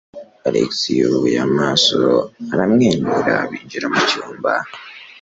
Alex yubuye amaso aramwenyura binjira mu cyumba.